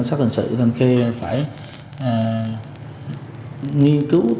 đăng hành tòa gái